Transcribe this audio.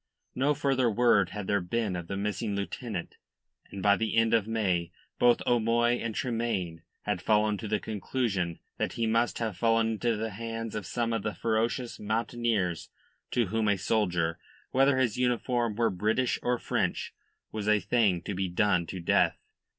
No further word had there been of the missing lieutenant, and by the end of May both O'Moy and Tremayne had come to the conclusion that he must have fallen into the hands of some of the ferocious mountaineers to whom a soldier whether his uniform were British or French was a thing to be done to death.